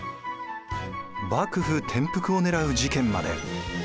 幕府転覆を狙う事件まで。